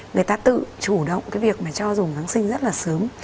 người ta tự chủ động cái việc mà cho dùng kháng sinh rất là sớm